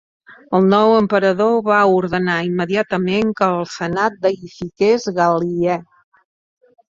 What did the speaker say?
El nou emperador va ordenar immediatament que el senat deïfiqués Gal·liè.